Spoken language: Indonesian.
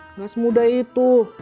nggak semudah itu